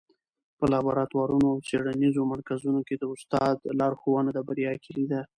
په لابراتوارونو او څېړنیزو مرکزونو کي د استاد لارښوونه د بریا کيلي ده.